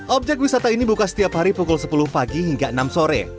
objek wisata ini buka setiap hari pukul sepuluh pagi hingga enam sore